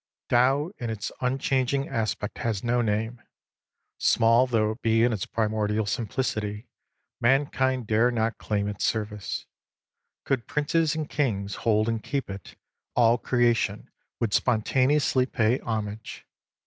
Tao in its unchanging aspect has no name. Small though it be in its primordial simplicity, mankind dare not claim its service. Could princes and kings hold and keep it, all creation would spontaneously pay homage.